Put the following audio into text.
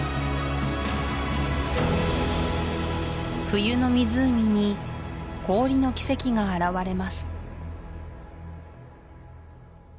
冬の湖に氷の奇跡が現れます